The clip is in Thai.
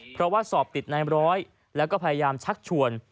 เพราะว่าสอบติดในร้อยแล้วก็พยายามชักชวน